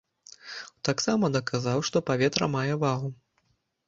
Таксама даказаў, што паветра мае вагу.